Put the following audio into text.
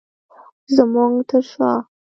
زمونږ تر شاه